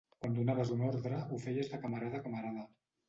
Quan donaves una ordre ho feies de camarada a camarada